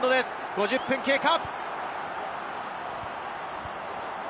５０分経過。